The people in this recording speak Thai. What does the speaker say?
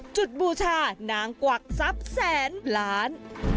จุดบูชานางกวากซับแสนล้าน